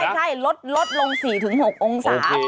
ใช่ลดลง๔๖องศา